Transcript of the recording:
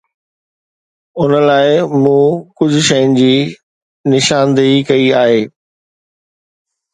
ان لاءِ مون ڪجهه شين جي نشاندهي ڪئي آهي.